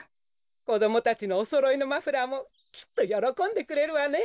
こどもたちのおそろいのマフラーもきっとよろこんでくれるわね。